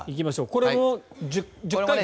これも１０回？